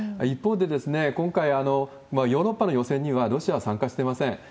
一方で、今回、ヨーロッパの予選にはロシア参加してません。